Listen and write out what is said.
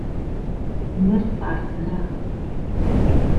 Мыр парк дах.